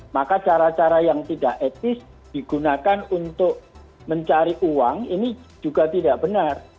maka cara cara yang tidak etis digunakan untuk mencari uang ini juga tidak benar